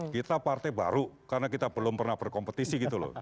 kita partai baru karena kita belum pernah berkompetisi gitu loh